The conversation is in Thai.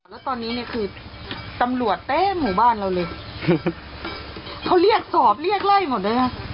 แล้วตอนนี้เนี่ยคือตำรวจเต็มหมู่บ้านเราเลยเขาเรียกสอบเรียกไล่หมดเลยค่ะ